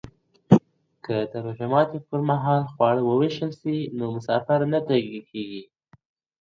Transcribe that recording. که د روژه ماتي پر مهال خواړه وویشل سي، نو مسافر نه تږي کیږي.